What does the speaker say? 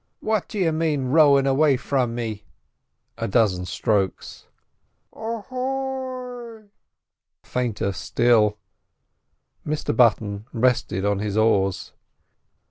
"What d'ye mane rowin' away from me?"—a dozen strokes. "Ahoy!"—fainter still. Mr Button rested on his oars.